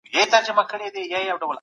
دغه سړی پرون ډېر زړور ښکارېدی.